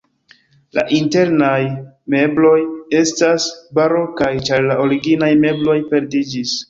La internaj mebloj estas barokaj, ĉar la originaj mebloj perdiĝis.